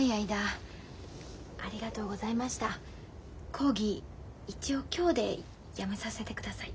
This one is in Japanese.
講義一応今日でやめさせてください。